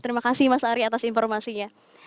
terima kasih mas ari atas informasinya